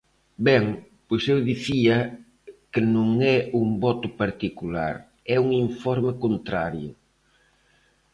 Ben, pois eu dicía que non é un voto particular, é un informe contrario.